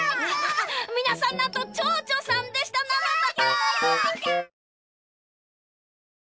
みなさんなんとちょうちょさんでしたなのだ！